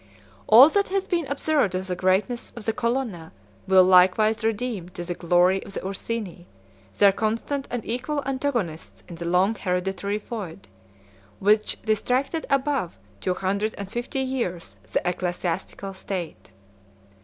All that has been observed of the greatness of the Colonna will likewise redound to the glory of the Ursini, their constant and equal antagonists in the long hereditary feud, which distracted above two hundred and fifty years the ecclesiastical state.